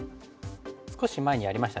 少し前にやりましたね。